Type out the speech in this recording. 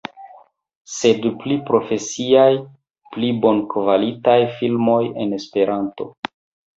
Sed pli profesiaj, pli bonkvalitaj filmoj en Esperanto